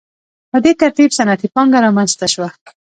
په دې ترتیب صنعتي پانګه رامنځته شوه.